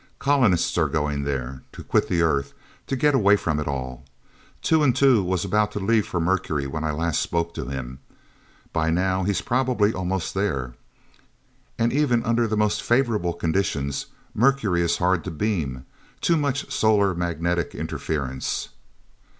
Colonists are going there, to quit the Earth, to get away from it all. Two and Two was about to leave for Mercury, when I last spoke to him. By now he's probably almost there. And even under the most favorable conditions, Mercury is hard to beam too much solar magnetic interference."